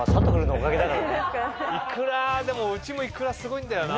でもうちもいくらすごいんだよな。